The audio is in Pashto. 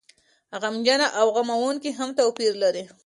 غمجنه او غموونکې هم توپير لري.